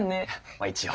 まっ一応。